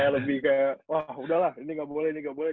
lebih kayak wah udah lah ini gak boleh ini gak boleh